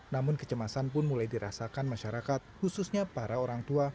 namun kecemasan pun mulai dirasakan masyarakat khususnya para orang tua